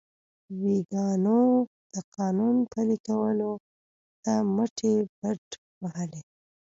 ویګیانو د قانون پلي کولو ته مټې بډ وهلې.